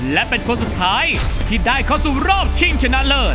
และเป็นคนสุดท้ายที่ได้เข้าสู่รอบชิงชนะเลิศ